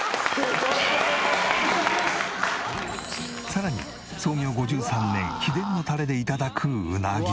さらに創業５３年秘伝のタレで頂くうなぎ。